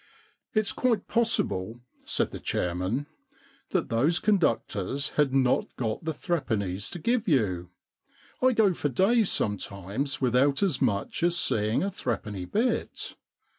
It's quite possible,' said the chairman, * that those conductors had not got the three pennies to give you. I go for days sometimes without as much as seeing a threepenny bit.